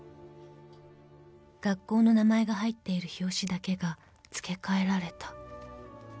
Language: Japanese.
［学校の名前が入っている表紙だけが付け替えられた？］